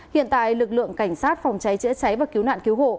hiện tại lực lượng cảnh sát phòng cháy chữa cháy và cứu nạn cứu hộ